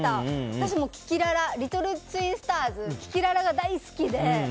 私はリトルツインスターズのキキララが大好きで。